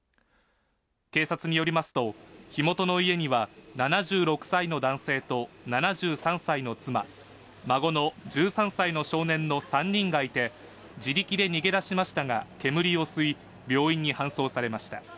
警察によりますと火元の家には７６歳の男性と７３歳の妻、孫の１３歳の少年の３人がいて、自力で逃げ出しましたが煙を吸い、病院に搬送されました。